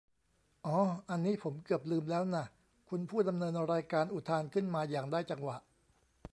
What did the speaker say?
"อ๋อ อันนี้ผมเกือบลืมแล้วน่ะ" คุณผู้ดำเนินรายการ อุทานขึ้นมาอย่างได้จังหวะ